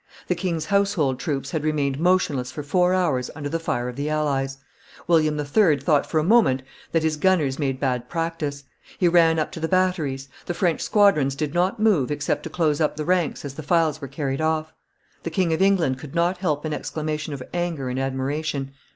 The king's household troops had remained motionless for four hours under the fire of the allies: William III. thought for a moment that his gunners made bad practice; he ran up to the batteries; the French squadrons did not move except to close up the ranks as the files were carried off; the King of England could not help an exclamation of anger and admiration.